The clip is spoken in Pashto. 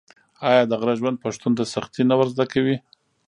آیا د غره ژوند پښتون ته سختي نه ور زده کوي؟